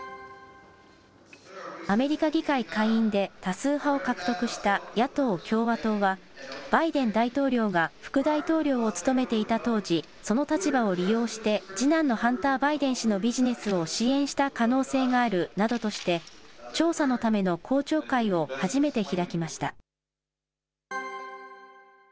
アメリカ議会下院で多数派を獲得した野党・共和党は、バイデン大統領が副大統領を務めていた当時、その立場を利用して次男のハンター・バイデン氏のビジネスを支援した可能性があるなどとして、調査のための公聴会を初めて開きました。